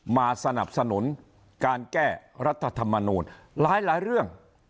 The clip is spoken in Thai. มาสนับสนุนการแก้รัฐธรรมนูลหลายเรื่อง